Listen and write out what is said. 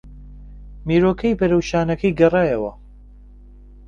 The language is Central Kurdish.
مێرووەکەی بەرەو شانەکەی گەڕایەوە